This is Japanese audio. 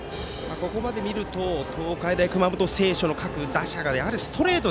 ここまで見ると東海大熊本星翔の各打者が、やはりストレート。